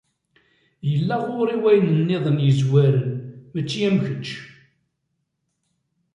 Yella ɣur-i wayen nniḍen yezwaren, mačči am kečč.